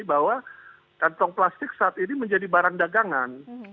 bahwa kantong plastik saat ini menjadi barang dagangan